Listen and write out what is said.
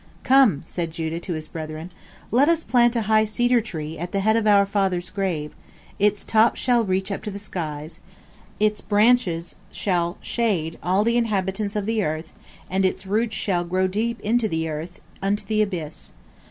"Come," said Judah to his brethren, "let us plant a high cedar tree at the head of our father's grave, its top shall reach up to the skies, its branches shall shade all the inhabitants of the earth, and its roots shall grow down deep into the earth, unto the abyss.